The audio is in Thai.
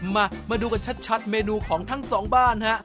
มาดูกันชัดเมนูของทั้งสองบ้านฮะ